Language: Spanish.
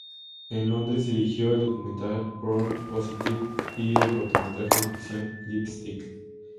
En Londres dirigió el documental "Born Positive" y el cortometraje de ficción "Lipstick".